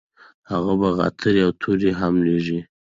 هغه به غاترې او توري هم لیږي.